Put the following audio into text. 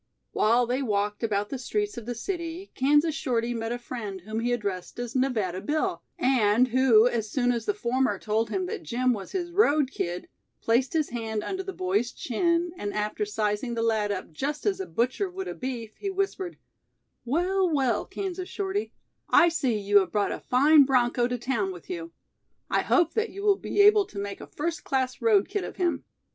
While they walked about the streets of the city, Kansas Shorty met a friend whom he addressed as "Nevada Bill," and who as soon as the former told him that Jim was "his road kid", placed his hand under the boy's chin and after sizing the lad up just as a butcher would a beef, he whispered: "Well, well, Kansas Shorty, I see you have brought a fine 'broncho' to town with you. I hope that you will be able to make a first class road kid of him."